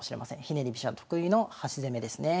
ひねり飛車特有の端攻めですね。